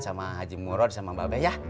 sama haji murad sama mbak be ya